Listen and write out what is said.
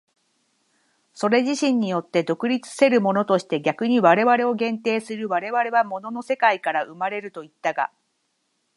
それ自身によって独立せるものとして逆に我々を限定する、我々は物の世界から生まれるといったが、